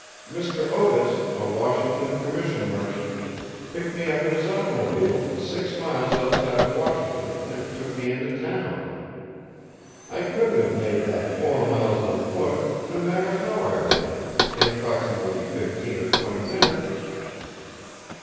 Mr. Otis, a Washington commission merchant, picked me up in his automobile, six miles outside of Washington and took me into town. I couldn't have made that four miles on foot, no matter how I ran, in approximately fifteen or twenty minutes.